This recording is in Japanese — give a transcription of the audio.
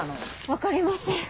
分かりません。